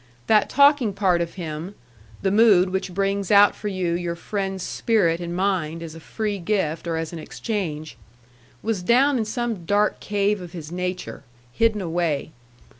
That talking part of him the mood which brings out for you your friend's spirit and mind as a free gift or as an exchange was down in some dark cave of his nature, hidden away.